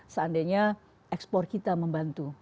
seandainya ekspor kita membantu